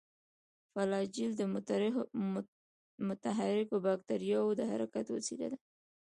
فلاجیل د متحرکو باکتریاوو د حرکت وسیله ده.